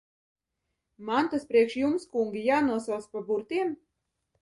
Man tas priekš jums, kungi, jānosauc pa burtiem?